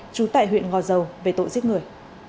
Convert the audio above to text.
chú tại huyện ngò dầu về tội giết người